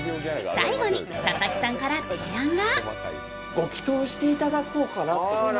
最後に佐々木さんから提案が。